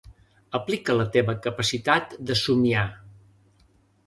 Aplica la teva capacitat de somiar.